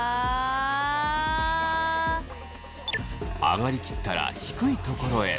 上がり切ったら低いところへ。